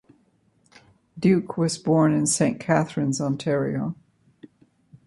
Duke was born in Saint Catharines, Ontario.